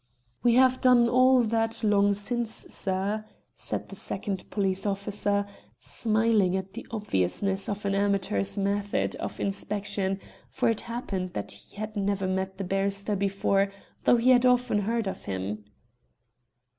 "We have done all that long since, sir," said the second police officer, smiling at the obviousness of an amateur's method of inspection, for it happened that he had never met the barrister before, though he had often heard of him.